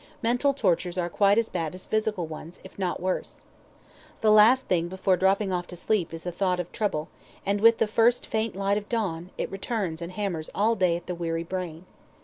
Mental tortures are quite as bad as physical ones, if not worse. The last thing before dropping off to sleep is the thought of trouble, and with the first faint light of dawn, it returns and hammers all day at the weary brain.